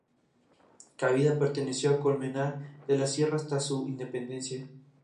Esta vía tiene dos carriles en ambos sentidos y refuerzo de firme.